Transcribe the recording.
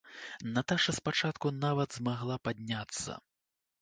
Наташа спачатку нават змагла падняцца.